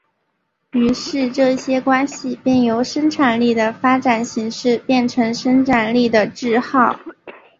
于是这些关系便由生产力的发展形式变成生产力的桎梏。